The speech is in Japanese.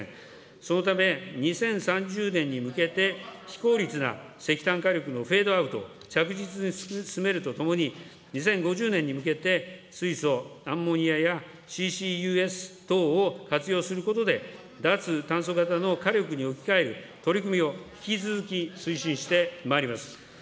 そのため２０３０年に向けて、非効率な石炭火力のフェードアウト、着実に進めるとともに、２０５０年に向けて水素、アンモニアや、ＣＣＵＳ等を活用することで、脱炭素型の火力に置き換える取り組みを引き続き推進してまいります。